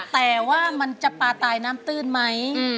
แต่ว่ามันจะปลาตายน้ำตื้นไหม